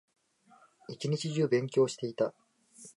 一日中勉強していた